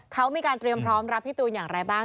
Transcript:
เขามีการเตรียมพร้อมรับพี่ตูนอย่างไรบ้าง